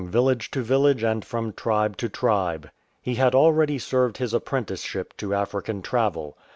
ARNOT village to village and from tribe to tribe. He had already served his apprenticeship to African travel.